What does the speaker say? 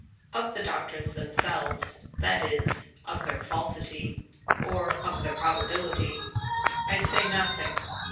Of the doctrines themselves—that is, of their falsity, or of their probability—I say nothing.